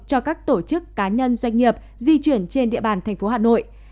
cho các tổ chức cá nhân doanh nghiệp di chuyển trên địa bàn thành phố hà nội